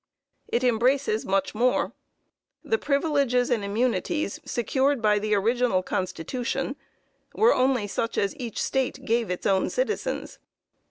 "It embraces much more. The 'privileges and immunities' secured by the original Constitution were only such as each State gave its own citizens.